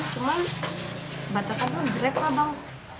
cuma batasan gue direct lah bang